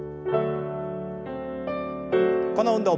この運動